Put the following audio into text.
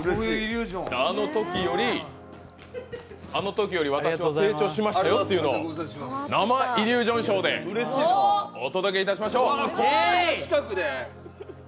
あのときより私は成長しましたよというのを、生イリュージョンショーでお届けしましょう。